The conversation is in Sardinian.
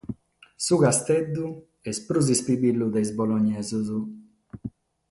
Su Casteddu est prus ispibillu de sos bolognesos.